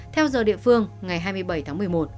theo giờ địa phương ngày hai mươi ba h